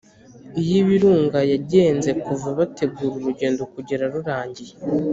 iy’ibirunga yagenze kuva bategura urugendo kugera rurangiye